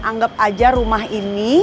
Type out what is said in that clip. anggap aja rumah ini